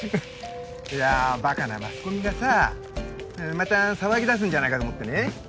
いやバカなマスコミがさまた騒ぎ出すんじゃないかと思ってね。